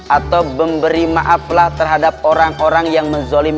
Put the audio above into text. atau memberi maaflah terhadap orang orang yang menzolimi